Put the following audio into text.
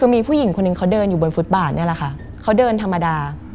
คือมีผู้หญิงคนหนึ่งเขาเดินอยู่บนฟุตบาทนี่แหละค่ะเขาเดินธรรมดา